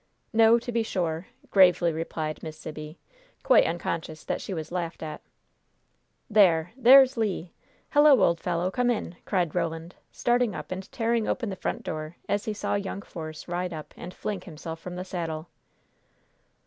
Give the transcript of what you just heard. "No, to be sure," gravely replied Miss Sibby, quite unconscious that she was laughed at. "There! There's Le! Hello, old fellow! Come in!" cried Roland, starting up and tearing open the front door as he saw young Force ride up and fling himself from the saddle.